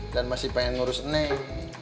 dan masih pengen ngurus neng